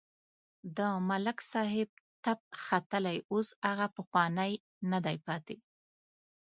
د ملک صاحب تپ ختلی اوس هغه پخوانی نه دی پاتې.